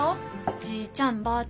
じいちゃんばあちゃん。